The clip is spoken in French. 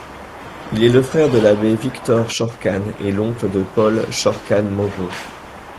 Il est le frère de l'abbé Victor Chocarne et l'oncle de Paul Chocarne-Moreau.